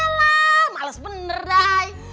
ya elah males bener day